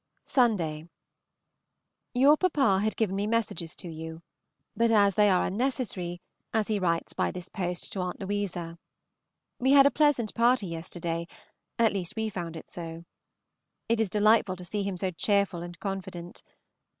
Sunday. Your papa had given me messages to you; but they are unnecessary, as he writes by this post to Aunt Louisa. We had a pleasant party yesterday; at least we found it so. It is delightful to see him so cheerful and confident.